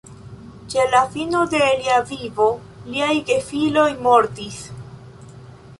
Ĉe la fino de lia vivo liaj gefiloj mortis.